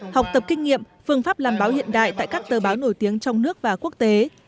học tập kinh nghiệm phương pháp làm báo hiện đại tại các tờ báo nổi tiếng trong nước và quốc tế